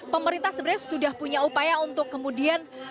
pemerintah sebenarnya sudah punya upaya untuk kemudian